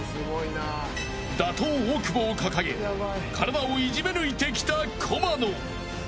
打倒大久保を掲げ体をいじめ抜いてきた駒野。